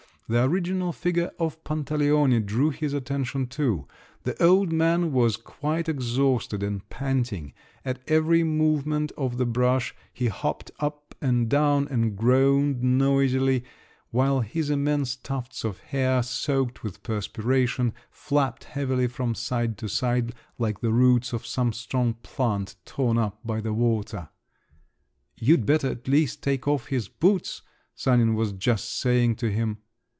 The original figure of Pantaleone drew his attention too. The old man was quite exhausted and panting; at every movement of the brush he hopped up and down and groaned noisily, while his immense tufts of hair, soaked with perspiration, flapped heavily from side to side, like the roots of some strong plant, torn up by the water. "You'd better, at least, take off his boots," Sanin was just saying to him.